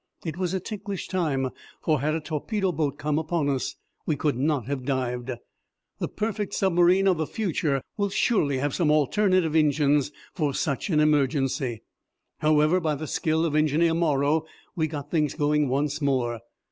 It was a ticklish time, for had a torpedo boat come upon us we could not have dived. The perfect submarine of the future will surely have some alternative engines for such an emergency. However by the skill of Engineer Morro, we got things going once more.